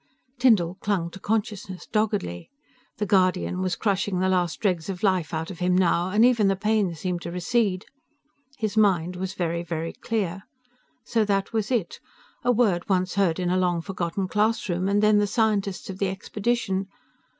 Tyndall clung to consciousness doggedly. The Guardian was crushing the last dregs of life out of him now, and even the pain seemed to recede. His mind was very, very clear. So that was it. A word once heard in a long forgotten classroom, and then the scientists of the expedition.